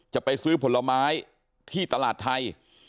จะไปซื้อผลไม้ที่ตลาดไทย